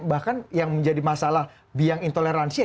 bahkan yang menjadi masalah biang intoleransi